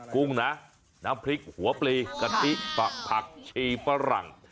กุ้งแน่น้ำพริกหัวเปรีกติ๊กผักชีฝรั่ง